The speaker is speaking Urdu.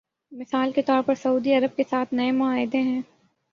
مثال کے طور پر سعودی عرب کے ساتھ نئے معاہدے ہیں۔